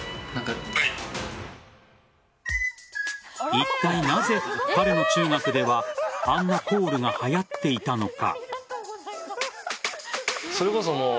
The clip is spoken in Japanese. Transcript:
いったいなぜ、彼の中学ではあんなコールがはやっていたのか。